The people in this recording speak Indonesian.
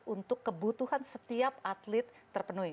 untuk kebutuhan setiap atlet terpenuhi